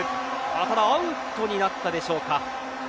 ただアウトになったでしょうか。